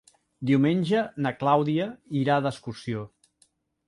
Diumenge na Clàudia irà d'excursió.